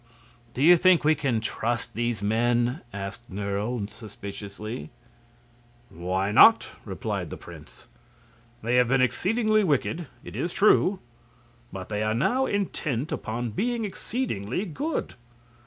"Do you think you can trust these men?" asked Nerle, suspiciously. "Why not?" replied the prince. "They have been exceedingly wicked, it is true; but they are now intent upon being exceedingly good.